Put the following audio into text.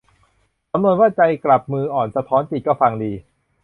สำนวนว่าใจกลับมืออ่อนสะท้อนจิต ก็ฟังดี